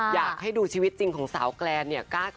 ว่าชีวิตจริงของสาวกลานเนี่ยกล้า